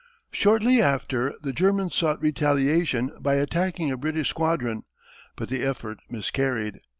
Shortly after the Germans sought retaliation by attacking a British squadron, but the effort miscarried.